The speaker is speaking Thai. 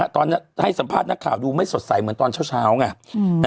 ตอนนี้ให้สัมภาษณ์นักข่าวดูไม่สดใสเหมือนตอนเช้าไง